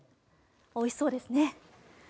おいしそうですね。